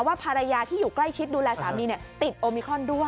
ว่าภรรยาที่อยู่ใกล้ชิดดูแลสามีติดโอมิครอนด้วย